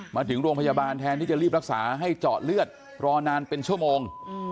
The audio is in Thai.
มาถึงโรงพยาบาลแทนที่จะรีบรักษาให้เจาะเลือดรอนานเป็นชั่วโมง